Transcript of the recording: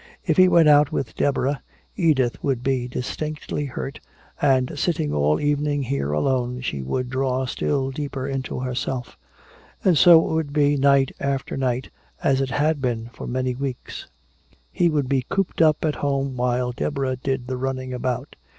If he went out with Deborah, Edith would be distinctly hurt, and sitting all evening here alone she would draw still deeper into herself. And so it would be night after night, as it had been for many weeks. He would be cooped up at home while Deborah did the running about....